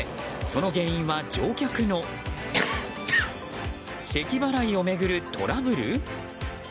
その原因は乗客のせき払いを巡るトラブル？